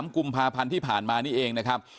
กุมภาพันธ์ที่ผ่านมานี่เองนะครับ